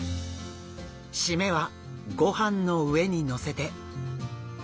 締めはごはんの上にのせて。